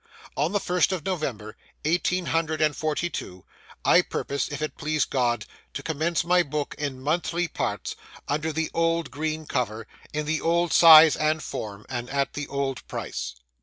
On the first of November, eighteen hundred and forty two, I purpose, if it please God, to commence my book in monthly parts, under the old green cover, in the old size and form, and at the old price.